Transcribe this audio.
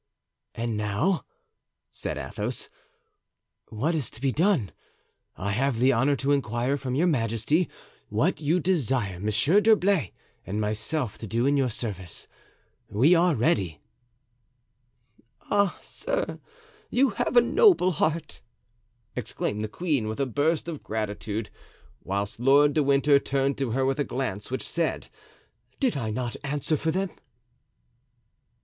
"And now," said Athos, "what is to be done? I have the honor to inquire from your majesty what you desire Monsieur d'Herblay and myself to do in your service. We are ready." "Ah, sir, you have a noble heart!" exclaimed the queen, with a burst of gratitude; whilst Lord de Winter turned to her with a glance which said, "Did I not answer for them?"